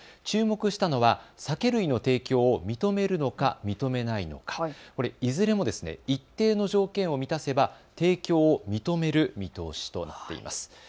注目したのは酒類の提供を認めるのか認めないのか、いずれも一定の条件を満たせば提供を認める見通しとなっています。